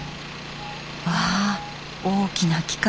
わあ大きな機械。